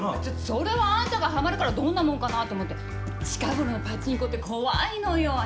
それはあんたがハマるからどんなもんかなと思って近頃のパチンコって怖いのよ